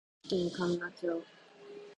群馬県神流町